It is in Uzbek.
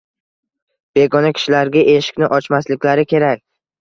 begona kishilarga eshikni ochmasliklari kerak.